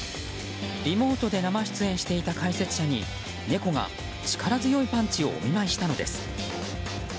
リモートで生出演していた解説者に猫が力強いパンチをお見舞いしたのです。